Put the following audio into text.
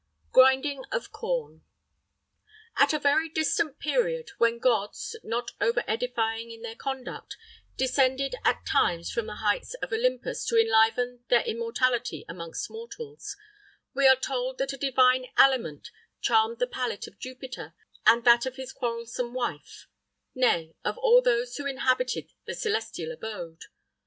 GRINDING OF CORN. At a very distant period, when gods, not over edifying in their conduct, descended at times from the heights of Olympus to enliven their immortality amongst mortals, we are told that a divine aliment charmed the palate of Jupiter and that of his quarrelsome wife; nay, of all those who inhabited the celestial abode.